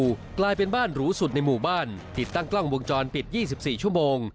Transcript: กลายเป็นบ้านหรูสุดในหมู่บ้านติดตั้งกล้องวงจรปิด๒๔ชั่วโมง